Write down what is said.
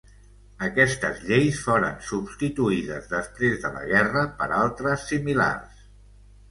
Aquestes lleis foren substituïdes després de la guerra per altres similars.